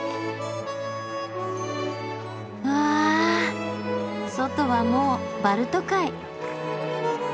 うわぁ外はもうバルト海。